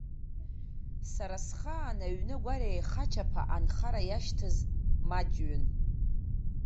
Сара схаан аҩны-агәара еихачаԥа анхара иашьҭаз маҷҩын.